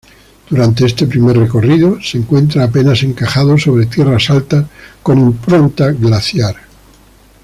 Durante este primer recorrido se encuentra apenas encajado sobre tierras altas con impronta glaciar.